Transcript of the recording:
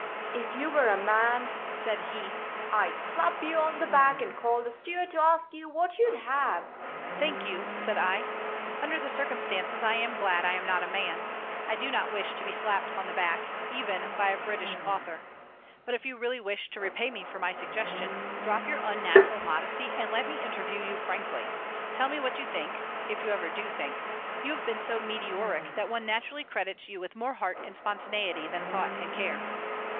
"If you were a man," said he, "I'd slap you on the back and call the steward to ask you what you'd have." "Thank you," said I. "Under the circumstances, I am glad I am not a man. I do not wish to be slapped on the back, even by a British author. But if you really wish to repay me for my suggestion, drop your unnatural modesty and let me interview you frankly. Tell me what you think if you ever do think. You've been so meteoric that one naturally credits you with more heart and spontaneity than thought and care."